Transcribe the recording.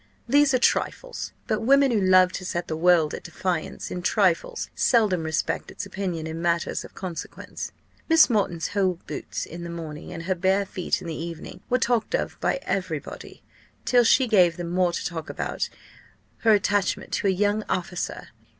These are trifles; but women who love to set the world at defiance in trifles seldom respect its opinion in matters of consequence. Miss Moreton's whole boots in the morning, and her bare feet in the evening, were talked of by every body, till she gave them more to talk of about her attachment to a young officer.